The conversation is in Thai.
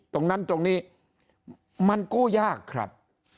ตรงนั้นตรงนี้มันกู้ยากครับ